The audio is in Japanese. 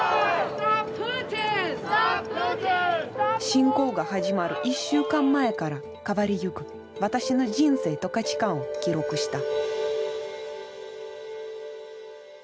侵攻が始まる１週間前から変わりゆく私の人生と価値観を記録した。